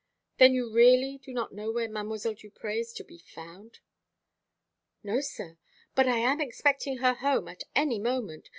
"Then you really don't know where Mdlle. Duprez is to be found?" "No, sir; but I am expecting her home at any moment.